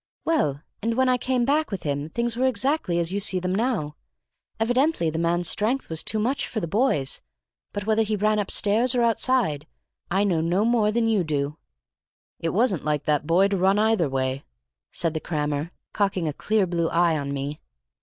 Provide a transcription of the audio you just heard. "Well, and when I came back with him things were exactly as you see them now. Evidently the man's strength was too much for the boy's; but whether he ran upstairs or outside I know no more than you do." "It wasn't like that boy to run either way," said the crammer, cocking a clear blue eye on me.